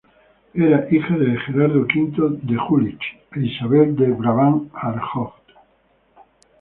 Era hija de Gerardo V de Jülich e Isabel de Brabant-Aarschot.